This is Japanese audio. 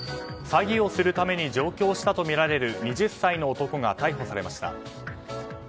詐欺をするために上京したとみられる２０歳の男が逮捕されました。